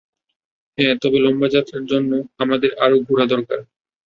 হ্যাঁ, তবে লম্বা এ যাত্রার জন্য, আমাদের আরও ঘোড়া দরকার।